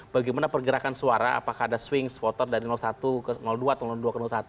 bagaimana pergerakan suara apakah ada swing spotter dari satu ke dua atau dua ke satu